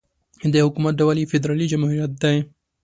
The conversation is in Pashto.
د حکومت ډول یې فدرالي جمهوريت دی.